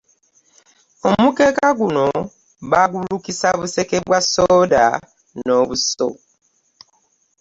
Omukeeka guno bagulukisa buseke bwa soda nobuso.